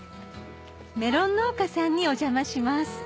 メロン農家さんにお邪魔します